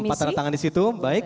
ada empat tanda tangan di situ baik